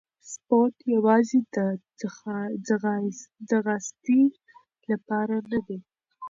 سپورت یوازې د ځغاستې لپاره نه دی.